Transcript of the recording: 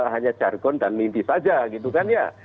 hanya jargon dan mimpi saja